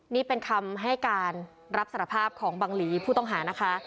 นี่เป็นคำให้การรับสารภาพของบังหลีผู้ต้องหานะคะ